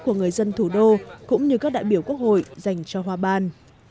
của người dân thủ đô cũng như các đại biểu quốc hội dành cho hoa ban